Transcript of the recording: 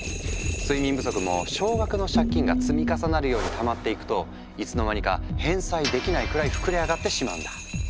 睡眠不足も少額の借金が積み重なるようにたまっていくといつの間にか返済できないくらい膨れ上がってしまうんだ。